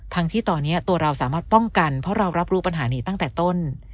ที่ตอนนี้ตัวเราสามารถป้องกันเพราะเรารับรู้ปัญหานี้ตั้งแต่ต้น